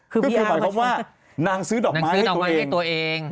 คือหมายความว่านางซื้อดอกไม้ให้ตัวเอง